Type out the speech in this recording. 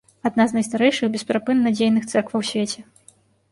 Адна з найстарэйшых бесперапынна дзейных цэркваў у свеце.